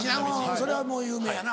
それはもう有名やな